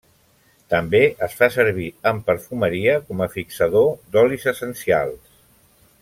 També es fa servir en perfumeria com a fixador d'olis essencials.